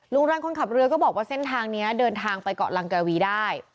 รันคนขับเรือก็บอกว่าเส้นทางนี้เดินทางไปเกาะลังกวีได้